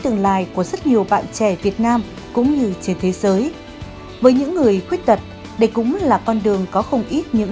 ngày xưa thì lúc nào cũng nghĩ là chân cháu như thế